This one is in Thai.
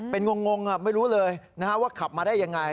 เป็นงงไม่รู้เลยนะครับว่าขับมาได้อย่างไร